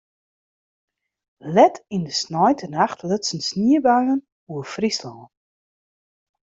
Let yn de sneintenacht lutsen sniebuien oer Fryslân.